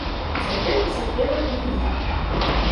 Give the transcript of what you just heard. Цяпер пацяплела і ў іх.